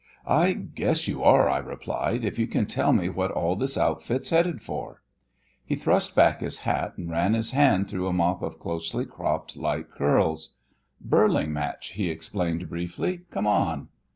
"I guess you are," I replied, "if you can tell me what all this outfit's headed for." He thrust back his hat and ran his hand through a mop of closely cropped light curls. "Birling match," he explained briefly. "Come on."